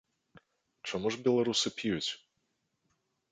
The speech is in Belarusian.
Чаму ж беларусы п'юць?